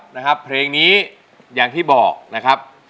นะครับเพลงนี้อย่างที่บอกนะครับ